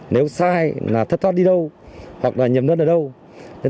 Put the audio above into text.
nếu sai là thất thoát đi đâu hoặc là nhầm lẫn ở đâu